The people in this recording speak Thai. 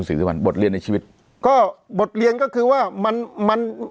สื่อมันบทเรียนในชีวิตก็บทเรียนก็คือว่ามันมัน